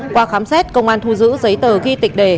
qua khám xét công an thu giữ giấy tờ ghi tịch đề